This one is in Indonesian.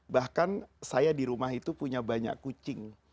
bahkan saya di rumah itu punya banyak kucing